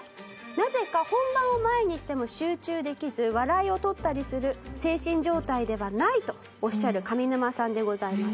なぜか本番を前にしても集中できず笑いを取ったりする精神状態ではないとおっしゃる上沼さんでございます。